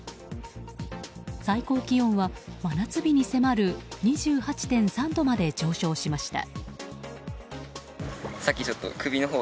最高気温は真夏日に迫る２８．３度まで上昇しました。